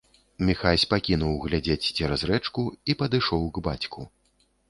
Міхась пакінуў глядзець цераз рэчку і падышоў к бацьку.